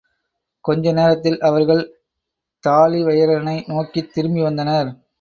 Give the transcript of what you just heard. கொஞ்ச நேரத்தில் அவர்கள் தாழிவயிறனை நோக்கித் திரும்பி வந்தனர்.